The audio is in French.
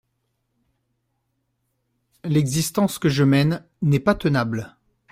L'existence que je mène n'est pas tenable.